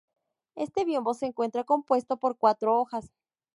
Este biombo se encuentra compuesto por cuatro hojas.